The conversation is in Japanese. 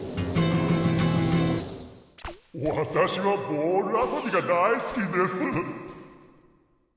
『わたしはボール遊びが大すきです』